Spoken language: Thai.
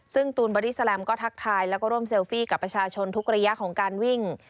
ซึ่งตูนบอดี้แลมก็ทักทายแล้วก็ร่วมเซลฟี่กับประชาชนทุกระยะของการวิ่ง